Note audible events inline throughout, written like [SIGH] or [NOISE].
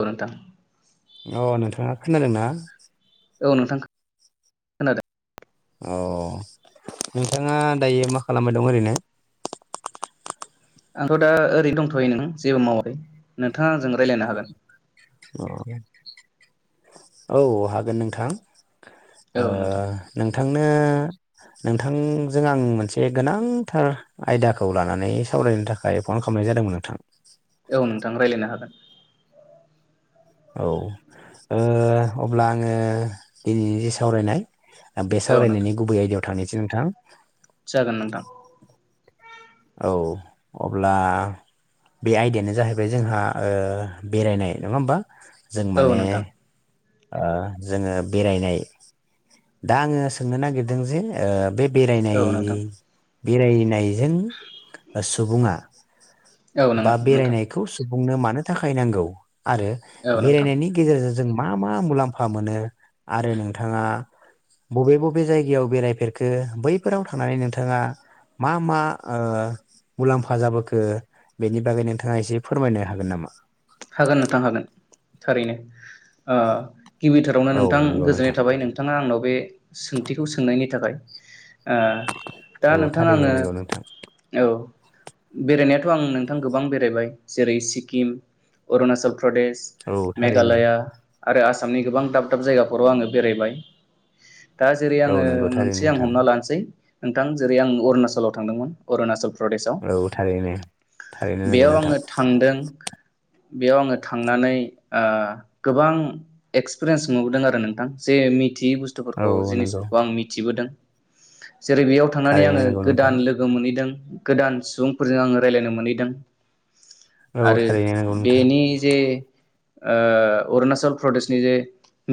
औ नोंथां अ नोंथाङा खोनादोंना औ नोंथां ख खोनादों अ नोंथाङा दायो मा खालामबाय दं ओरैनो आंथ' दा ओरै दंथ'यो नों जेबो मावाखै नोंथाङा आंजों रायलायनो हागोन [UNINTELLIGIBLE] औ हागोन नोंथां ओ नोंथां नोथ थांनो नोंथांजों आं मोनसे गोनांथार आयदाखौ लानानै सावरायनो थाखाय फन खामनाय जादोंमोन नोंथां औ नोंथां रायज्लायनो हागोन औ ओ अब्ला आङो दिनैनि सावरायनाय बे औ नोंथां सावरायनायनि गुबै आयदायाव थांनिसै नोंथां जागोन नोंथां औ अब्ला बे आयदायानो जाहैबाय जोंहा ओ बेरायनाय नङा होमबा जों औ माने नोंथां ओ जोङो बेरायनाय दा आङो सोंनो नागिरदों जे ओ बे औ नोंथां बेरायनाययै बेरायनायजों सुबुङा औ बा नोङो नोंथां बेरायनायखौ सु बुंनो मानो थाखाय नांगौ आरो औ नोंथां बेरायनायनि गेजेरज मा मा मुलाम्फा मोनो आरो नोंथाङा बबे बबे जायगायाव बेरायफेरखो बैफोराव थांनानै नोंथाङा मा मा ओ मुलाम्फा जाबोखो बेनि बागै नोंथाङा एसे फोरमायनो हागोन नामा हागोन नोंथां हागोन थारैनो ओ गिबिथारावनो औ नोंथां नंगौ गोजोननाय नोंथां थाबाय नोंथाङा आंनाव बे सोंथिखौ सोंनायनि थाखाया दा औ थारैनो नोंथांङानो नंगौ नोंथां औ बेरायनाया थ' आं नोंथां गोबां बेरायबाय जेरै सिक्किम अरुनासल। अन्ध प्रदेश औ थारैनो मेघालया आरो आसामनि गोबां दाब दाब जायगाफोराव आङो बेरायबाय। दा जेरै औ आङो नंगौ थारैनो मोनसे आं नोंथां हमना लानोसै। नोंथां जेरै आं अरुणाचलाव थांदोंमोन अरुणाचल। प्रदेशआव औ थारैनो थारैनो नोंगौ बेयाव आङो नोंथां। थांदों बेयाव आङो थांनानै गोबां एक्सपिरियेन्स नुबोदों आरो नोंथां जे थ औ बुस्थुफोरखौ नंगौ जिनिसफोरखौ आं मिथिबोदों। जेरै बेयाव थांनानै थारैनो आङो नंगौ नोंथां गोदान लोगो मोनहैदों। गोदान सुबुंफोरजों आङो रायलायनो मोनहैदों। औ आरो थारैनो। नोंथां बेनि जे। ओ अरुणाचल प्रदेशनि जे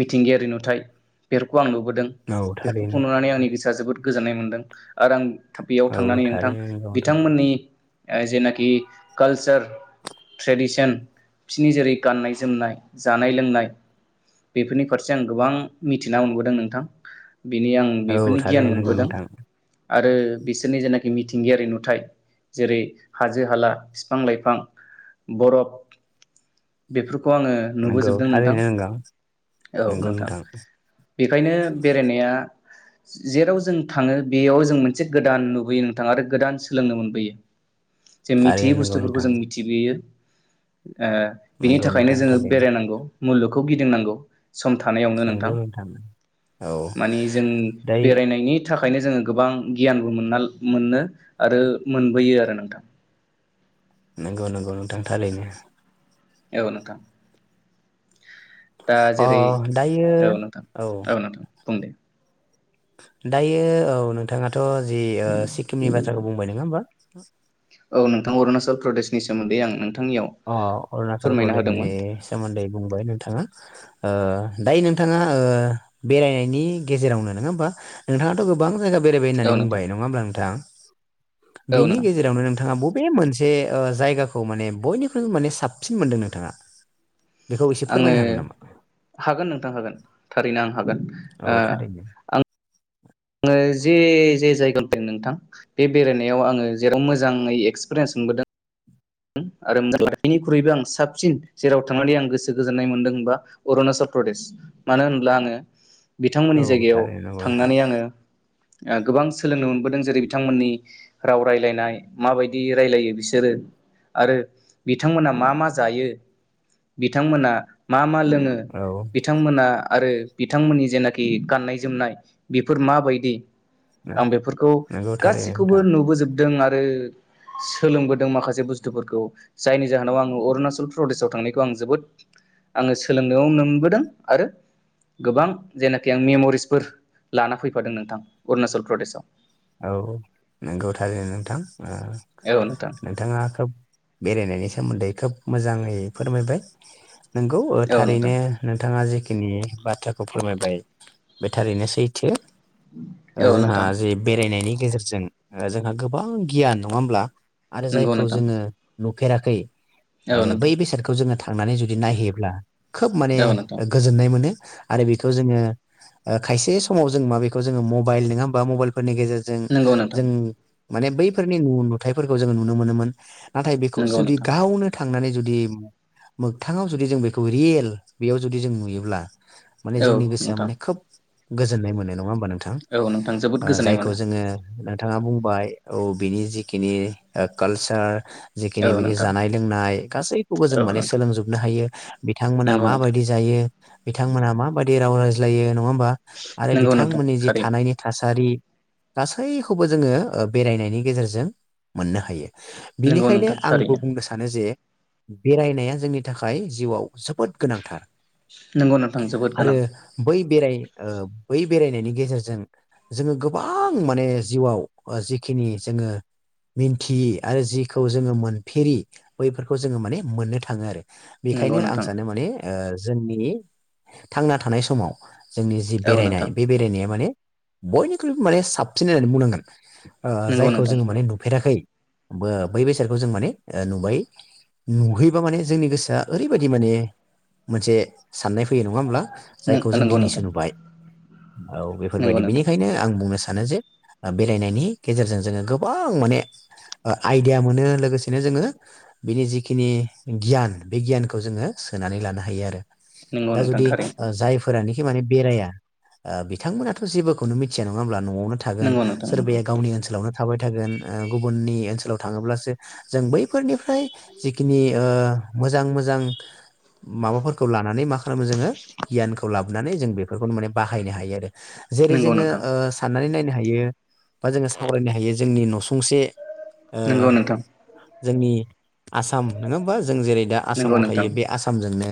मिथिंगायारि नुथाय बेफोरखौ आं नु बोदों औ बेफोरखौ थारैनो नुनानै आंनि गोसोआ जोबोद। गोजोननाय मोन्दों आरो आं बेयाव औ थांनानै नोंथां थारैनो नंगौ नोंथां बिथांमोननि। ओ जेनाखि काल्चार ट्रेडिश शेन बिसिनि जेरै गाननाय जोमनाय जानाय लोंनाय बेफोरनि फारसे आं गोबां मिथिना मोनबोदों नोंथां। बेनि आं औ बेफोरनि गियान थारैनो नंगौ मोनबोदों। नोंथां आरो बिसोरनि जेनाखि मिथिंगायारि नुथाय जेरै हाजो हाला बिफां लाइफां बरफ बेफोर खौ आङो नंगौ नुबोजोबदों नोंथां थारैनो नंगौ औ नोंथां बेखायनो बेरायनाया। जेराव जों थाङो बेयाव जों मोनसे गोदान नुबोयो नोंथां आरो गोदान सोलोंनो मोनबोयो। जे थारैनो मिथियै नंगौ बुस्थुफोरखौ नोंथां जों मिथिबोयो। ओ बिनि नंगौ थाखायनो नोंथां जोङो थारैनो बेरायनांगौ। मुलुगखौ गिदिंनांगौ। सम थानायावनो नोंथां औ मानि जों दायो बेरायनायनि थाखायनो जोङो गोबां गियानबो मोनना मोनो आरो मोनबोयो आरो नोंथां। नोंगौ नोंगौ नोंथां थारैनो। औ नोंथां। दा अ जेरै दायो औ नोंथां औ। नोंथां बुं दे। दायो औ नोंथाङा थ' जि ओ सिक्किमनि बाथ्राखौ बुंबाय नङा होमबा? [INAUDIBLE] औ नोंथां अरुणाचल प्रदेशनि सोमोन्दै आं नों अ अरुणचल प्रदेशनि सोमोन्दै बुंबाय नोंथाङा। ओ दायो नोंथाङा ओ बेरायनायनि गेजेरावनो नोङा होमबा नोंथाङाथ' गोबां जायगा बेरायबाय औ होननानै नोंथां बुंबाय नङा होमब्ला नोंथां औ बिनि नोंथां गेजेरावनो नोंथाङा ब बे मोनसे ओ जायगाखौ माने बयनि माने साबसिन मोनदों नोंथाङा? बेखौ एसे आङो फोरमायनो हागोन नामा हागोन नोंथां हागोन थारैनो आं हागोन। ओ औ थारैनो। जे जे जायगायाव नोंथां बे बेरायनायाव आंङो जेराव मोजाङै एक्सपिरियेन्स मोनबोदों। आरो बिनिख्रुइबो आं साबसिन जेराव थांनानै आं गोसो गोजोननाय मोनदों होनबा अरुणाचल प्रदेश मानो होन्ला आङो औ बिथांमोननि जायगायाव थारैनो नंगौ नोंथां थांनानै आंङो ओ गोबां सोलोंनो मोनबोदों जेरै बिथांमोननि राव रायलायनाय माबायदि रायलायो बिसोरो। आरो बिथांमोना मा मा जायो बिथांमोना मा मा लों औ बिथांमोना आरो बिथांमोननि जेनाखि गाननाय जोमनाय बेफोर माबायदि? आं बेफोरखौ नंगौ थारैनो गासिखौबो नोंथां नुबोजोबदों आरो सोलोंबोदों माखासेबु बुस्थुफोरखौ जायनि जाहोनाव आङो अरुणाचल प्रदेशाव थांनायखौ आं जोबोद आङो सोलोंनोाव मोनबोदों आरो गोबां जेनाखि आं मेमरिसफोर लाना फैफादों नोंथां अरुणाचल प्रदेशआव। औ नंगौ थार नोंथां। ओ औ नोंथां नोंथाङा खोब बेरायनायनि सोमोन्दै। खोब मोजाङै फोरमायबाय। नंगौ औ नोंथां थारैनो नोंथाङा जखिनि बाथ्राखौ फोरमायबाय बे थारैनो सैथो। ओ औ जोंहा नोंथां जे बेरायनायनि गेजेरजों जोंहा गोबां गियान नङा होमब्ला? आरो नंगौ जायखौ नोंथां जोङो नुफेराखै ओ औ नोंथां बै बेसादखौ जोंङो थां थांनानै जुदि नायहैयोब्ला। खोब माने औ नोंथां गोजोननाय मोनो। आरो बेखौ जोंङो ओ खायसे समाव जों मा बेखौ जोंङो मबाइल नङा होमबा मबाइल जोंफोरनिज गेजेरजों नंगौ नोंथां जों माने बैफोरनि न नुथायाइफोरखौ जोंङो नुनो मोनोमोन। नाथाय बेखौ नंगौ जुदि नोंथां गावनो थ थांनानै जुदि मोगथाङाव जुदि जों बेखौ रियेल बेयाव जुदि जों नुयोब्ला माने औ जोंनि गोसोआ नोंथां माने खोब गोजोन्नाय मोननाय नङा होमबा। होमबा नोंथां। औ नोंथां जोबोद ओ गोजोननाय मोनो जायखौ जोंङो नोंथाङा बुंबाय औ बिनि जिखिनि कालसार औ जिखिनि बिनि नोंथां जानाय लोंनाय गासैखौबो औ जों माने नोंथां सोलोंजोबनो हायो। बिथांमोना नंगौ नोंथां माबायदि जायो बिथांमोना माबायदि बे राव रायज्लयो नंङा [UNINTELLIGIBLE] आरो नंगौ नोंथां बिथांमोननि जि थारैनो थानायनि थासारि थासारि गासैखौबो जोङो बेरायनायनि गेजेरजों मोननो हायो नंगौ बिनिखायनो नोंथां आंबो थारैनो बुंनो सानो जे बेरायनाया जोंनि थाखाय जिउआव जोबोद गोनांथार नोंगौ नोंथां जोबोद आरो गोनां बै बेराय ओ बै बेरायनायनि गेजेरजों जोङो गोबां माने जिउआव जिखिनि जोङो मिन्थियै आरो जिखौ जोङो मोनफेरै बैफोरखौ जोङो माने मोननो थाङो आरो नंगौ बेखायनो आं नोंथां सानो माने ओ जोंनि थांना थानाय समाव जोंनि जि औ नोंथां बेरायनाय बे बेरायनाया माने बयनिख्रुइबो माने साबसिन होननानै बुंनांगोन ओ नंगौ जायखौ नोंथां जोङो माने नंगौ नुफेराखै ओ बै बेसादखौ जों माने नुबाय नुहैबा माने जोंनि गोसोआ ओरैबायदि माने मोनसे साननाय फैयो नङा होमब्ला जायखौ जों नंगौ दिनैसो नोंथां नुबाय औ नंगौ बेफोरबायदि नोंथां बिनिखायनो आं बुंनो सानो सानो जे बेरायनायनि गेजेरजों जोङो गोबां माने आइडिया मोनो लोगोसेनो जोङो बिनि जिखिनि गियान बे गियानखौ जोङो सोनानै लानो हायो आरो नंगौ दा नोंथां जुदि थारैनो ओ जायफोर फोरानोखि माने बेराया बिथांमोना थ' जेबोखौनो मिथिया नङा होनब्ला नङ नो थागोन नंगौ नोंथां सोरबाया गावनि ओनसोलावनो थाबाय थायोन ओ गुबुननि ओनसोलाव थाङोब्लासो जों बैफोरनिफ्राय जिखिनि ओ मोजां मोजां माबाफोरखौ लानानै मा खालामो जोङो गियानखौ लाबोनानै जों बेफोरखौनो माने बाहायनो हायो आरो जेरै नंगौ नंगौ जोङो नोंथां ओ साननानै नाय हायो बा जोङो सावरायनो हायो जोंनि नसुं फंसे ओ नंगौ नोंथां जोंनि आसाम नोङा होमबा जों जेरै दा नंगौ आसामाव नोंथां थायो बे आसामजोंनो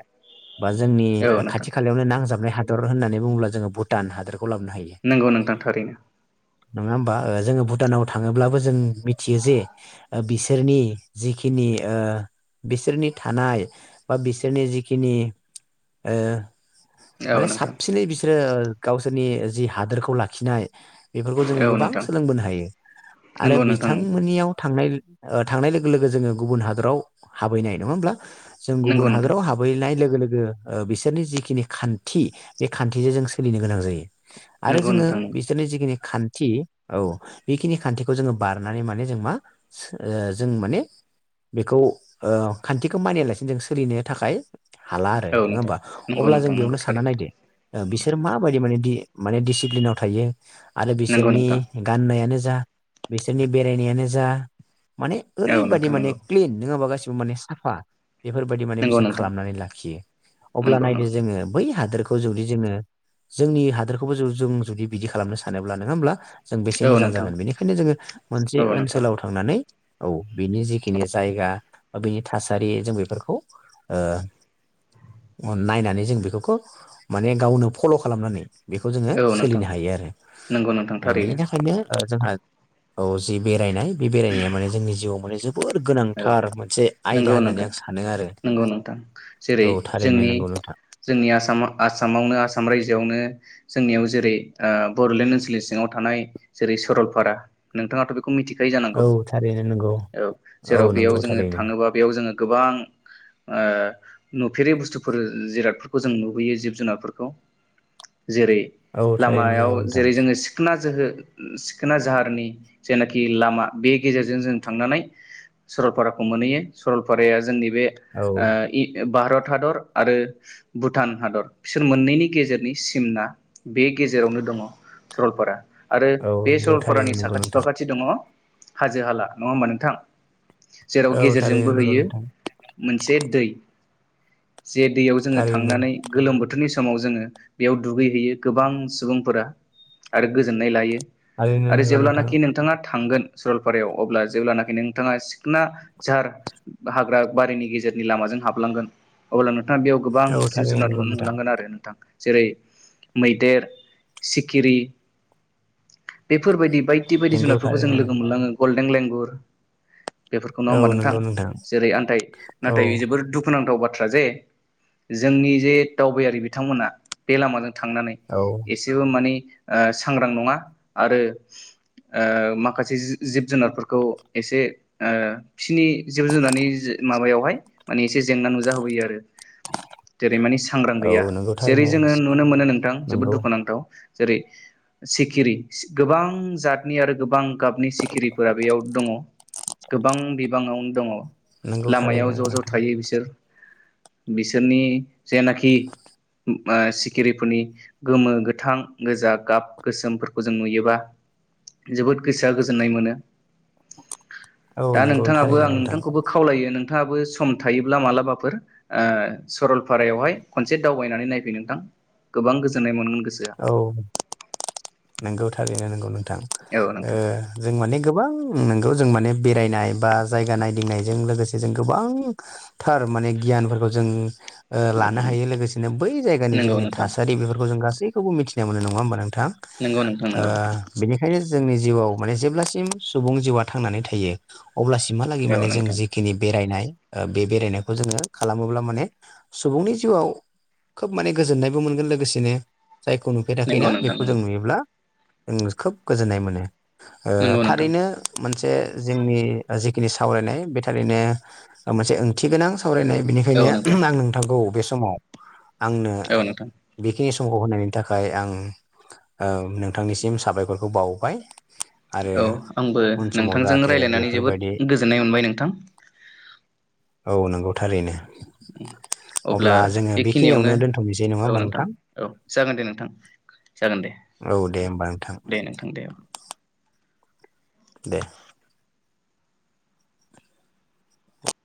बा जोंनि औ ओ नोंथां खाथि खालायावनो नांजाबनाय हादर होननानै बुङोब्ला जों भुटान हादरखौ लाबोनो हायो नोंगौ नोंथां थारैनो नङा होमबा जोङो भुटानाव थाङोब्लाबो जों मिथियो जे बिसोरनि जिखिनि ओ बिसोरनि थानाय बा बिसोरनि जिखिनि ओ औ माने नोंथां साबसिनै बिसोरो ओ गावसोरनि जि हादोरखौ लाखिनाय बेफोरखौ जोङो औ गोबां नोंथां सोलोंबोनो हायो आरो नंगौ नोंथां बिथांमोननियाव थांनाय ओ थांनाय लोगो लोगो जोङो गुबुन हादराव हाबैनाय नङा होमब्ला जों गुबुन नंगौ नोंथां हादराव हाबहैलाय लो गो लोगो ओ बिसोरनि जिखिनि खान थि बे खान्थिजों जों सोलिनो गोनां जायो आरो नंगौ जोङो नोंथां नंगौ बिसोरनि जिखिनि खान्थि औ बेखिनि खान्थिखौ जोङो बारनानै माने जों मा सो ओ जों माने बेखौ ओ खान्थिखौ मानियालासिनो जों सोलिनो थाखाय हाला आरो औ नङा नोंथां होमबा नंगौ अब्ला जों नोंथां नंगौ बेयावनो स सानना थारैनो नायदो ओ बिसोर माबायदि माने दि माने डिसिप्लिनाव थायो आरो नंगौ बिसोरनि नोंथां गाननायानो जा बिसोरनि बेरायनायानो जा माने औ ओरैबायदि नोंथां माने नंगौ क्लिन नोङा ओमबा गास माने साफा बेफोरबायदि माने नंगौ बिसोर नोंथां खालामनानै लाखियो अब्ला नंगौ नायदो नंगौ जोङो बै हादोरखौ जुदि जोङो जोंनि हादोरखौबो जु जों जुदि बिदि खालामनो सानोब्ला नङा होमब्ला जों बेसे औ मोजां नोंथां जागोन बेनिखायनो जोङो मोनसे औ नोंथां ओनसोलाव थांनानै औ बिनि जिखिनि जायगा बा बिनि थासारि जों बेफोरखौ ओ नायनानै जों बेफोरखौ माने गावनो फल' खालामनानै बेखौ जोङो औ नोंथां सोलिनो हायो आरो नंगौ नोंथां बेनि थारैनो थाखायनो ओ जोंहा औ जि बेरायनाय बे बेरायनाया माने जोंनि जिउआव माने जोबोर औ गोनांथार मोनसे आयदा नंगौ होननानै नोंथां आं सानो आरो नंगौ नोंथां जेरै औ थारैनो जोंनि नोंगौ नोंथां जोंनि आसाम आसामावनो आसाम रायजोआवनो जोंनियाव जेरै ओ बड'लेण्ड ओनसोलनि सिङाव थानाय जेरै सरलपारा नोंथाङाथ' बेखौ मिथि खायो जानांगौ औ थारैनो नंगौ औ औ जेराव बेयाव नंगौ जोङो थारैनो थाङोबा बेयाव जोङो गोबां ओ नुफेरै बुस्थुफोर जिरादफोरखौ जों नुबोयो जिब जुनारफोरखौ जेरै औ थारैनो लामायाव नंगौ नोंथां जेरै जोङो सिखोना जोहो सिखोना जाहारनि जेनो खि लामा बे गेजेरजों जों थांनानै सरलपाराखौ मोनहैयो। सरलपाराया जोंनि बे औ ओ इ भारत हादर आरो भुटान हादर बिसोर मोननैनि गेजेरनि सिमना बे गेजेरावनो दङ' सरलपारा। आरो औ बे नंगौ थारैनो सरलपारानि नंगौ साखाथि नोंथां फाखा [UNINTELLIGIBLE] हाजो हाला नङा होनबा नोंथां? जेराव औ गेजेरजों थारैनो नंगौ बोहैयो नोंथां मोनसे दै। जे दैयाव जोङो थारैनो थांनानै गोलोम बोथोरनि। समाव जोङो बेयाव दुगैहैयो गोबां सुबुंफोरा आरो गोजोननाय लायो। थारैनो नोंगौ नोंथां। कि नोंथाङा थांगोन सरलपारायाव अब्ला जेब्लानाखि नोंथाङा सिखना जझार हाग्रा बारिनि गेजेरनि लामाजों हाबलांगोन अब्ला नों नोंथाङा बेयाव गोबां औ जिब थारैनो जुनार नंगौ नुनो नोंथां मोनलांगोन आरो नोंथां। जेरै मैदेर सिखिरि बेफोरबायदि बाय बायथि बायदि नंगौ जुनादफोरखौ जों थारैनो लोगो मोनलाङो। गल्डेन लेंगुर बेफोरखौ नङ हबा औ नोंथां नंगौ जेरै आनदाय औ नाथाय जबोद दुखुनांथाव बाथ थ्रा जे जोंनि जे दावबायारि बिथांमोना बे लामाजों थांनानै औ एसेबो माने ओ सांग्रां नङा आरो माखासे जिब जुनारफोरखौ एसे फिनि जिब जुनारनि माबायावहाय माने एसे जेंना नुजा होबोयो आरो जेरै मानि सांग्रां औ गैया नंगौ जेरै थारैनो जोङो नुनो मोनो नोंथां जोबोद नंगौ दुखुनांथाव जेरै सिखिरि गोबां जात। नि आरो गोबां गाबनि सिखिरिफोरा बेयाव दङ गोबां बिबाङाव दङ। नंगौ थारैनो लामायाव ज' ज' नोंथां थायो बिसोर। बिसोरनि जेनाखि ओ सिखिरिफोरनि गोमो गोथां गोजा गाब गोसोमफोरखौ जों नुयोबा जोबोद गोसोआ गोजोननाय मोनो औ दा नंगौ नोंथाङाबो आं थारैनो नोंथां नोंथांखौबो खावलायो नों नोंथाङाबो सम थायोब्ला मालाबाफोर ओ सरलपारायावहाय खनसे दावबायनानै नायफै नोंथां गोबां गोजोननाय मोन औ नोंगौ थारैनो नोंगौ नों थां औ ओ नोंथां जों माने गोबां नोंगौ। जों माने बेरायनाय बा जायगा नायदिंनायजों लोगोसे जों गोबांथार माने गियानफोरखौ जों ओ लानो हायो लोगोसेनो बै जायगानि नंगौ जिखिनि नोंथां थासारि बेफोरखौ जों गासै खौबो मिथिनाय मोनो नंङा होनबा नों थां नंगौ नोंथां ओ नंगौ बेनिखायनो जोंनि जिउआव माने जेब्लासिम सुबुं जिउआ थांनानै थायो। अब्लासिमहालागै औ माने जों नोंथां जिखिनि बेरायनाय ओ बे बेरायनायखौ जोङो खालामोब्ला माने सुबुंनि जिउआव खोब माने गोजोननायबो मोनगोन लोगोसेनो जायखौ नुफेराखै ना नंगौ नोंथां बेखौ जों नंगौ नुयोब्ला उम खोब गोजोननाय मोनो ओ नंगौ नोंथां थारैनो [UNINTELLIGIBLE] जे जोंनि जिखिनि सावरायनाय बे थारैनो मोनसे ओंथि गोनां। सावरायनाय बेनिखायनो औ नोंथां आं नोंथांखौ बेस समाव आंनो औ नोंथां बे बे समखौ होनाय थाखाय आं ओ नोंथांनिसिम साबायखरखौ बावबाय आरो औ आंबो उन समाव नोंथांजों जाहाथे रायलायनानै जोबोद बेफोरबायदि गोजोननाय मोनबाय नोंथां। औ नंगौ थारैनो। अब्ला जोङो बेखिनियावनो दोनथ'नोसै नङा औ होमबा नोंथां? औ जागोन दे नोंथां जागोन दे औ दे ओ होमबा नोंथां दे नोंथां दे ओं दे